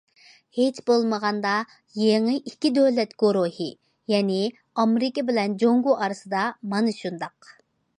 ھېچ بولمىغاندا يېڭى« ئىككى دۆلەت گۇرۇھى»، يەنى ئامېرىكا بىلەن جۇڭگو ئارىسىدا مانا شۇنداق.